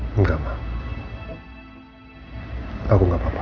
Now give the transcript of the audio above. hai enggak mau aku nggak papa